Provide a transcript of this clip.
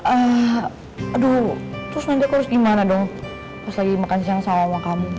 aduh terus nanti aku harus gimana dong pas lagi makan siang sama kamu